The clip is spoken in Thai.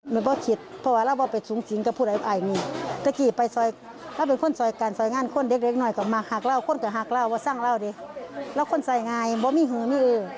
แล้วคนใส่ง่ายไม่มีฮือไม่เออ